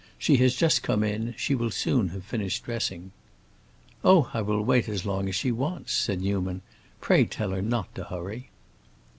"She has just come in; she will soon have finished dressing." "Oh, I will wait as long as she wants," said Newman. "Pray tell her not to hurry."